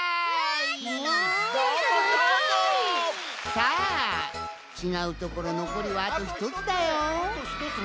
さあちがうところのこりはあとひとつだよ。